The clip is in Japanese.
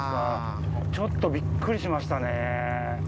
ちょっとビックリしましたね。